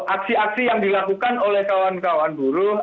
aksi aksi yang dilakukan oleh kawan kawan buruh